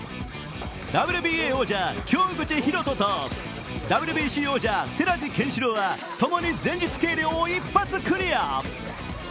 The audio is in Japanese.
ＷＢＡ王者・京口紘人とＷＢＣ王者・寺地拳四朗はともに前日計量を一発クリア。